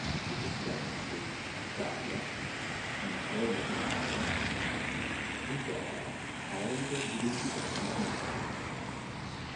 Successivamente Talia, in accordo con Adrian, rivela a Oliver l'identità di Prometheus.